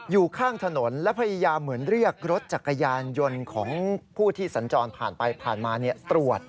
อยู่ข้างถนนและพยายามเหมือนเรียกรถจักรยานยนต์ของผู้ที่สัญจรผ่านไปผ่านมาตรวจ